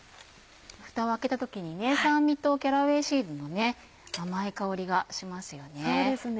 ふたを開けた時に酸味とキャラウェイシードの甘い香りがしますよね。